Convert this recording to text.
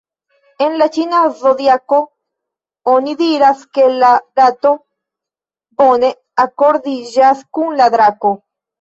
En la ĉina zodiako oni diras, ke la rato bone akordiĝas kun la drako.